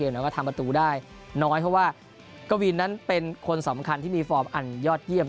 แล้วก็ทำประตูได้น้อยเพราะว่ากวินนั้นเป็นคนสำคัญที่มีฟอร์มอันยอดเยี่ยม